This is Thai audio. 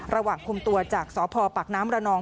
ระหว่างคุมตัวจากสพปากน้ำระนอง